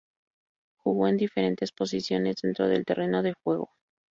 Jugó en diferentes posiciones dentro del terreno de juego.